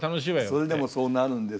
それでもそうなるんですよ。